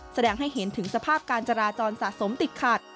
แสดงให้เห็นถึงสภาพการจราจรสะสมติดขัด